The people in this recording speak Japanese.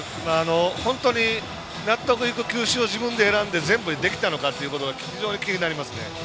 本当に納得がいく球種を自分で選んで全部できたのかっていうことが非常に気になりますね。